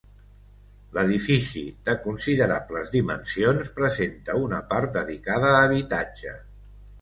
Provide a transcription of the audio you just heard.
L'edifici de considerables dimensions presenta una part dedicada a habitatge.